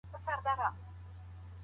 دا د سړيتوب نښې دي.